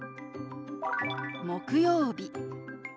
「木曜日」。